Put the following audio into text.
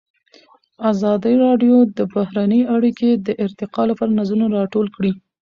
ازادي راډیو د بهرنۍ اړیکې د ارتقا لپاره نظرونه راټول کړي.